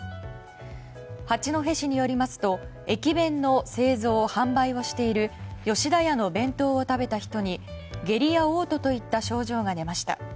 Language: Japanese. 八戸市によりますと駅弁の製造・販売をしている吉田屋の弁当を食べた人に下痢や嘔吐といった症状が出ました。